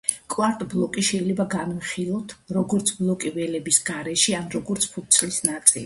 კვარტბლოკი შეიძლება განვიხილოთ, როგორც ბლოკი ველების გარეშე ან როგორც ფურცლის ნაწილი.